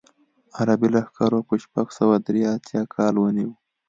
عربي لښکرو یې په شپږ سوه درې اتیا کال ونیو.